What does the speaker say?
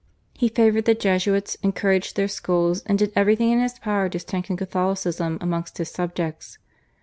He favoured the Jesuits, encouraged their schools, and did everything in his power to strengthen Catholicism amongst his subjects.